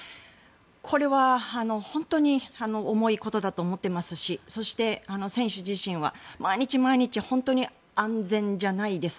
これは本当に重いことだと思っていますしそして選手自身は毎日毎日、安全じゃないです。